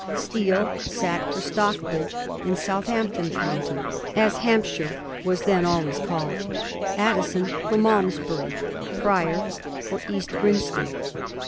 Steele sat for Stockbridge in " Southampton County," as Hamp shire was then always called, Addison for Malmes bury. Prior for East Grinstead.